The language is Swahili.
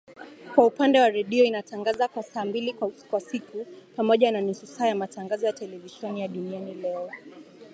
Kwa upande wa redio inatangaza kwa saa mbili kwa siku, pamoja na nusu saa ya matangazo ya televisheni ya Duniani Leo